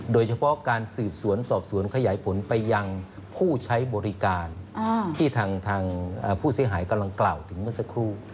โดยเฉพาะการสืบสวนสอบสวนขยายผลไปยังผู้ใช้บริการที่ทางผู้เสียหายกำลังกล่าวถึงเมื่อสักครู่